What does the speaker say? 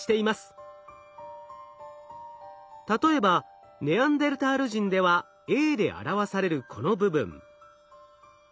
例えばネアンデルタール人では「Ａ」で表されるこの部分。